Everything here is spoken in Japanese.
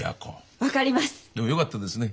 でもよかったですね。